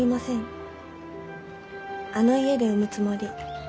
あの家で産むつもり。